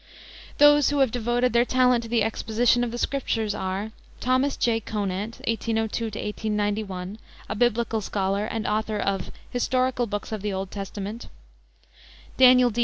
Those who have devoted their talent to the exposition of the Scriptures are: Thomas J. Conant (1802 1891), a biblical scholar and author of Historical Books of the Old Testament; Daniel D.